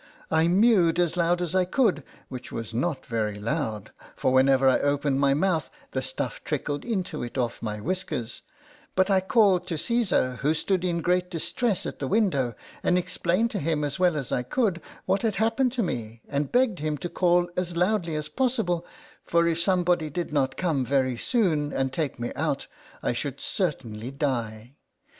I mewed as loud as I could, which was not very loud, for whenever I opened my mouth the stuff trickled into it off my whiskers; but I called to Caesar, who stood in great distress at the window, and ex plained to him, as well as I could, what had happened to me, and begged him to call as loudly as pos 64 LETTERS FROM A CAT. sible; for if somebody did not come very soon, and take me out, I should certainly die.